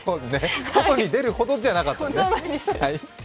外に出るほどじゃなかったんだね。